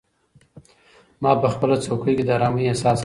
ما په خپله څوکۍ کې د ارامۍ احساس کاوه.